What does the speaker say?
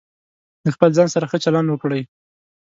د خپل ځان سره ښه چلند وکړئ.